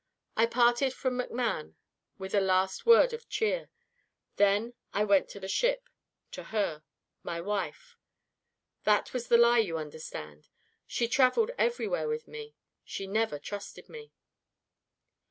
I parted from McMann with a last word of cheer. Then I went to the ship to her. My wife. That was the lie, you understand. She traveled everywhere with me. She never trusted me.